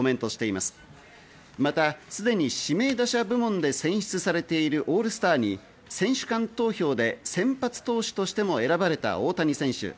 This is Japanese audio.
また、すでに指名打者部門で選出されているオールスターに選手間投票で先発投手としても選ばれた大谷選手。